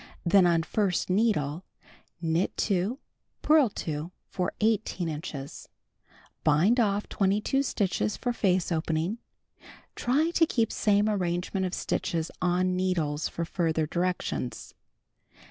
Then on first needle knit 2, purl 2 for 18 stitches. Bind off 22 stitches for face opening. (Try to keep same arrangement of stitches on needles for further directions.)